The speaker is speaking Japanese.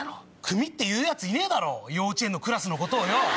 組って言う奴いねえだろ幼稚園のクラスのことをよ。